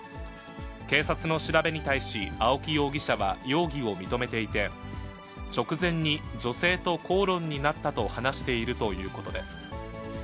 警察の調べに対し、青木容疑者は容疑を認めていて、直前に女性と口論になったと話しているということです。